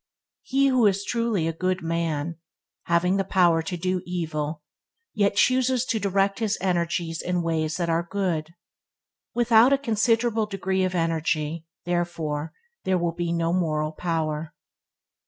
He is the truly good man who, having the power to do evil, yet chooses to direct his energies in ways that are good. Without a considerable degree of energy, therefore, there will be no moral power.